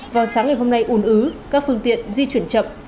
vào sáng ngày hôm nay ùn ứ các phương tiện di chuyển chậm